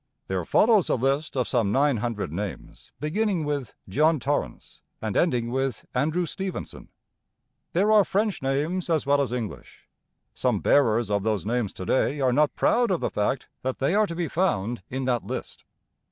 There follows a list of some nine hundred names, beginning with John Torrance and ending with Andrew Stevenson. There are French names as well as English. Some bearers of those names to day are not proud of the fact that they are to be found in that list.